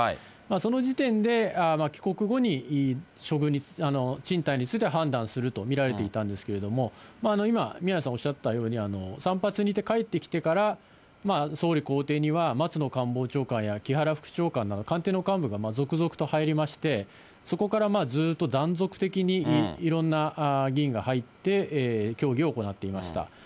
その時点で、帰国後に進退について判断すると見られていたんですけれども、今、宮根さんおっしゃったように、散髪に行って帰ってきてから、総理公邸には松野官房長官や木原副長官ら官邸の幹部が続々と入りまして、そこからずっと断続的にいろんな議員が入って、協議を行っていました。